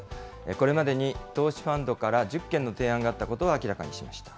これまでに投資ファンドから１０件の提案があったことを明らかにしました。